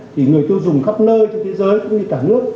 thì người tiêu dùng khắp nơi trên thế giới cũng như cả nước